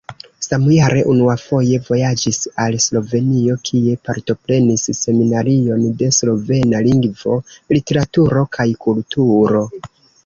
Samjare unuafoje vojaĝis al Slovenio, kie partoprenis Seminarion de slovena lingvo, literaturo kaj kulturo.